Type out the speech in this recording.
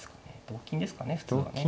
同金ですかね普通はね。